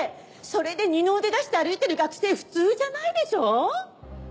それで二の腕出して歩いてる学生普通じゃないでしょう？